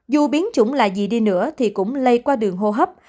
dù biến chủng là gì đi nữa thì cũng lây qua đường hô hấp